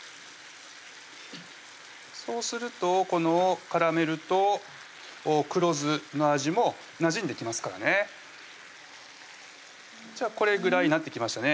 そうするとこのカラメルと黒酢の味もなじんできますからねじゃあこれぐらいになってきましたね